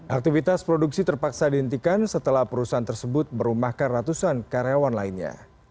aktivitas produksi terpaksa dihentikan setelah perusahaan tersebut merumahkan ratusan karyawan lainnya